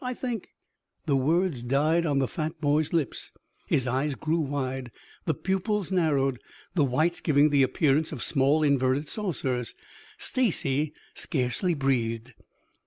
I think " The words died on the fat boy's lips. His eyes grew wide, the pupils narrowed, the whites giving the appearance of small inverted saucers. Stacy scarcely breathed.